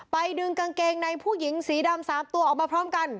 ดึงกางเกงในผู้หญิงสีดำ๓ตัวออกมาพร้อมกัน